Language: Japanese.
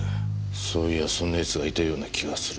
そういやそんな奴がいたような気がする。